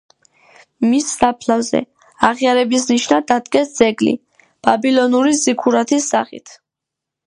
მის საფლავზე, აღიარების ნიშნად დადგეს ძეგლი, ბაბილონური ზიქურათის სახით.